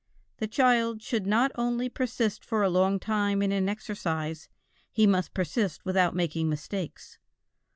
The child should not only persist for a long time in an exercise; he must persist without making mistakes.